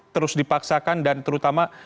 terus dipaksakan dan terutama